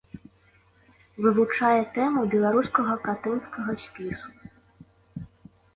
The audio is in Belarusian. Вывучае тэму беларускага катынскага спісу.